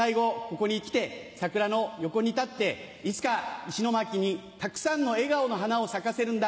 ここに来て桜の横に立って「いつか石巻にたくさんの笑顔の花を咲かせるんだ。